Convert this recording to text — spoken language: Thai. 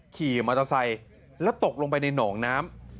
ขี่มอเตอร์ไซค์แล้วตกลงไปในหนองน้ำ